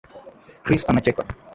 Chris anacheka